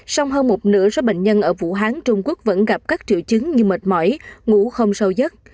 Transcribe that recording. song hơn một nửa số bệnh nhân ở vũ hán trung quốc vẫn gặp các triệu chứng như mệt mỏi ngủ không sâu giấc